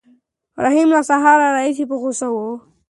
رحیم له سهار راهیسې په غوسه و.